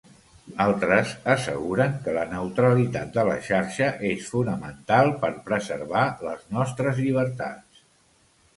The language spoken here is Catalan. Altres asseguren que la neutralitat de la xarxa és fonamental per preservar les nostres llibertats.